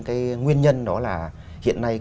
cái nguyên nhân đó là hiện nay